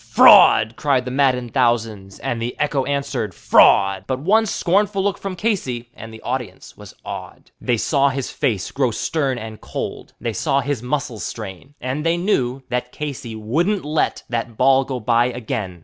"Fraud," cried the maddened thousands, and the echo answered "Fraud," But one scornful look from Casey, and the multitude was awed. The saw his face grow stern and cold; they saw his muscles strain, And they knew that Casey wouldn't let that ball go by again.